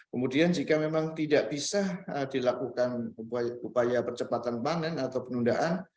kemudian jika memang tidak bisa dilakukan upaya percepatan panen atau penundaan